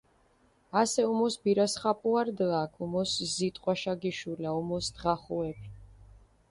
ასე უმოსი ბირა-სხაპუა რდჷ აქ, უმოსი ზიტყვაშა გიშულა, უმოსი დღახუეფი.